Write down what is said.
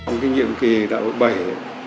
những nhiệm kỳ đạo bảy